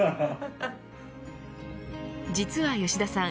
実は吉田さん